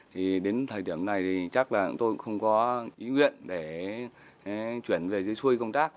thì đến thời điểm này thì chắc là chúng tôi cũng không có ý nguyện để chuyển về dưới xuôi công tác